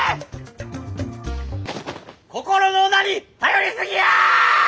心の小田に頼り過ぎや！